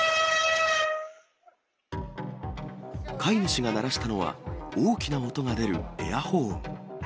飼い主が鳴らしたのは、大きな音が出るエアホーン。